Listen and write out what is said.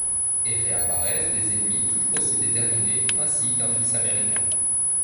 Et réapparaissent des ennemis toujours aussi déterminés, ainsi qu’un fils américain.